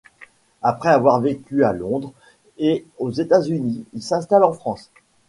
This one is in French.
Après avoir vécu à Londres, et aux États-Unis, il s’installe en France.